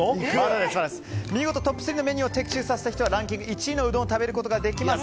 見事トップ３のメニューを的中させた人はランキング１位のうどんを食べることができます。